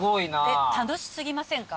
楽し過ぎませんか？